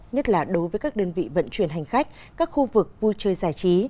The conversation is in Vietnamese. nhất là đối với các đơn vị vận chuyển hành khách các khu vực vui chơi giải trí